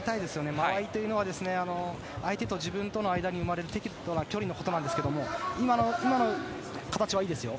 間合いというのは相手と自分との間に生まれる適度な距離のことなんですが今の形はいいですよ。